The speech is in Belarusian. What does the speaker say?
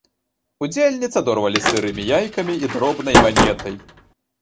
Удзельніц адорвалі сырымі яйкамі і дробнай манетай.